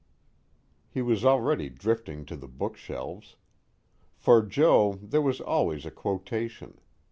He was already drifting to the bookshelves. For Joe, there was always a quotation.